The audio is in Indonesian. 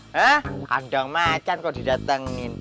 hah kandang macan kok didatengin